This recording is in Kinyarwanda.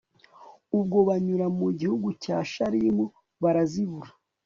ubwo banyura mu gihugu cya shalimu barazibura